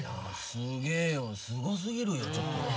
すげえよすごすぎるよちょっと。